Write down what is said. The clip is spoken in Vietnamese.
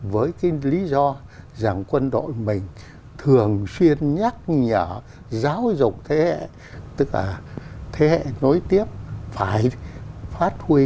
với cái lý do rằng quân đội mình thường xuyên nhắc nhở giáo dục thế hệ tức là thế hệ nối tiếp phải phát huy